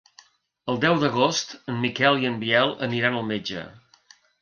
El deu d'agost en Miquel i en Biel aniran al metge.